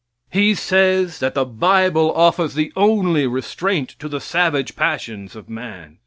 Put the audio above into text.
He says that the bible offers the only restraint to the savage passions of man.